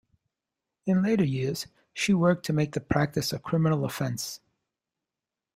In later years, she worked to make the practice a criminal offense.